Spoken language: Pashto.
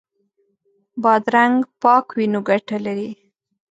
بادرنګ پاک وي نو ګټه لري.